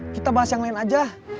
kita bahas yang lain aja